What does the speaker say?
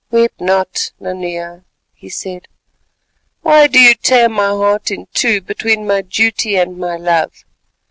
"Weep not, Nanea," he said; "why do you tear my heart in two between my duty and my love?